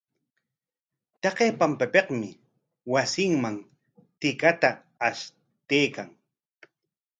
Taqay pampapikmi wasinman tikata ashtaykan.